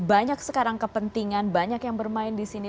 banyak sekarang kepentingan banyak yang bermain di sini